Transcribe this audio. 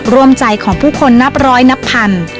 ร่วมใจของผู้คนนับร้อยนับพัน